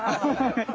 ハハハ。